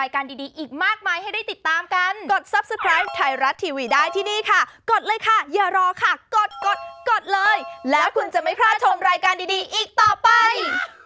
คุณกดเลยแล้วคุณจะไม่พลาดชมรายการดีอีกต่อไป